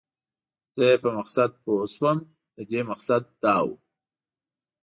زه یې په مقصد پوه شوم، د دې مقصد دا و.